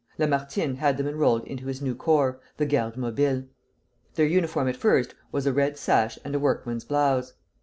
Lamartine had them enrolled into his new corps, the Garde Mobile. Their uniform at first was a red sash and a workman's blouse.